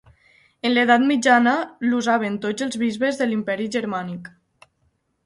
En l'edat mitjana, l'usaven tots els bisbes de l'Imperi Germànic.